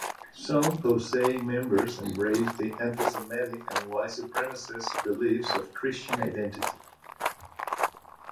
Some Posse members embraced the anti-Semitic and white supremacist beliefs of Christian Identity.